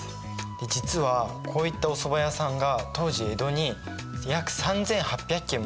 実はこういったおそば屋さんが当時江戸に約３，８００軒もあったといわれてるんですよ。